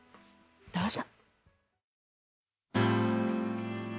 どうぞ。